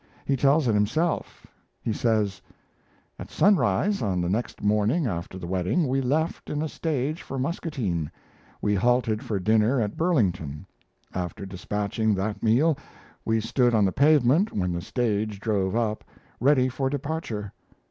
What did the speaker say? He tells it himself; he says: At sunrise on the next morning after the wedding we left in a stage for Muscatine. We halted for dinner at Burlington. After despatching that meal we stood on the pavement when the stage drove up, ready for departure.